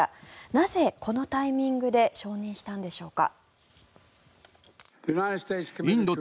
なぜ、このタイミングで承認したんでしょうか。